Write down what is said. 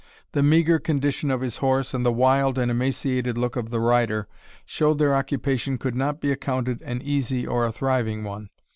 The meagre condition of his horse, and the wild and emaciated look of the rider, showed their occupation could not be accounted an easy or a thriving one.